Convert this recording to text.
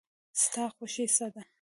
ستا خوښی څه ده؟